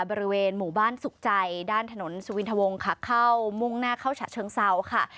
บริเวณหมู่บ้านสุขใจด้านถนนสุวินทวงค่ะเข้ามุ่งหน้าเข้าฉะเชิงเซาค่ะ